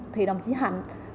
thì đồng chí hạnh